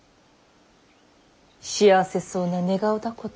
幸せそうな寝顔だこと。